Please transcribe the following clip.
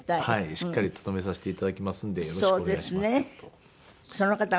しっかり勤めさせて頂きますんでよろしくお願いしますという事を。